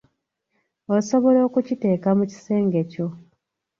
Osobola okukiteeka mu kisenge kyo.